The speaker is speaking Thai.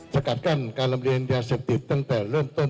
สกัดกั้นการลำเลียงยาเสพติดตั้งแต่เริ่มต้น